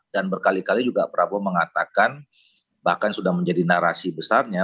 dan berkali kali juga prabowo mengatakan bahkan sudah menjadi narasi besarnya